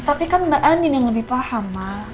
tapi kan mbak andin yang lebih paham ma